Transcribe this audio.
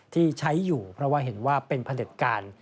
ที่ใช้อยู่เพราะว่าเห็นว่าเป็นผลิตการ